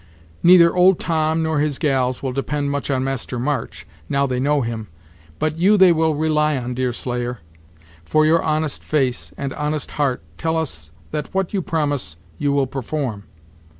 Neither 'old Tom,' nor his 'gals,' will depend much on Master March, now they know him, but you they will rely on, Deerslayer; for your honest face and honest heart tell us that what you promise you will perform."